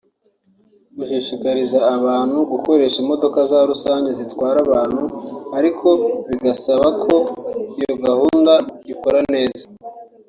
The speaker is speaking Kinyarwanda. Gushishikariza abantu gukoresha imodoka za rusange zitwara abantu (ariko bigasaba ko iyo gahunda ikora neza)